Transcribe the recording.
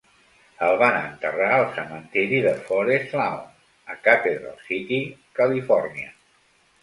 El van enterrar al cementiri de Forest Lawn, a Cathedral City (Califòrnia).